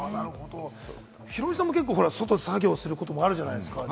ヒロミさんも結構、外で作業することあるじゃないですか。